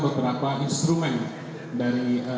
beberapa instrumen dari